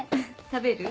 食べる？